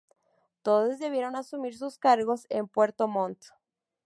Todos debieron asumir sus cargos en Puerto Montt.